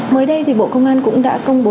mới đây thì bộ công an cũng đã công bố